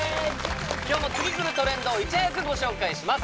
今日も次くるトレンドをいち早くご紹介します